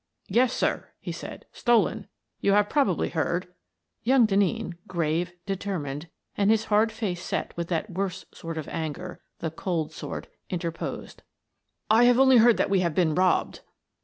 " Yes, sir," said he, " stolen. You have probably heard —" Young* Denneen, grave, determined, and his hard face set with that worst sort of anger, the cold sort, interposed :" I have heard only that we have been robbed."